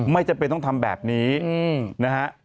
ไม่จำเป็นต้องทำแบบนี้นะฮะ